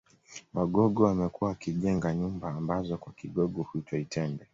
Wagogo wamekuwa wakijenga nyumba ambazo kwa Kigogo huitwa itembe